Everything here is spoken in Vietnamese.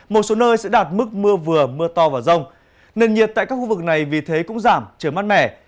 một số nơi sẽ đạt mức mưa vừa mưa to và rông nền nhiệt tại các khu vực này vì thế cũng giảm trời mát mẻ